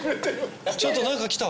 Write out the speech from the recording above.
ちょっと何か来た！